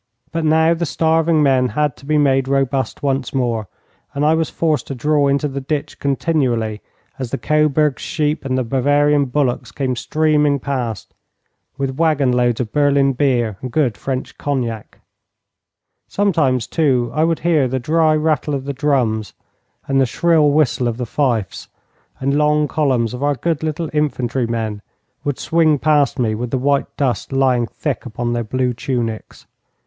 But now the starving men had to be made robust once more, and I was forced to draw into the ditch continually as the Coburg sheep and the Bavarian bullocks came streaming past with waggon loads of Berlin beer and good French cognac. Sometimes, too, I would hear the dry rattle of the drums and the shrill whistle of the fifes, and long columns of our good little infantry men would swing past me with the white dust lying thick upon their blue tunics.